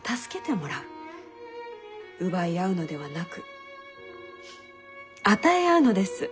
奪い合うのではなく与え合うのです。